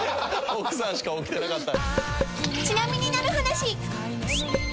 奥さんしか起きてなかった。